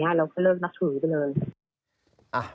เราก็เลิกนับถือไปเลย